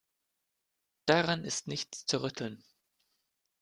Daran ist nichts zu rütteln.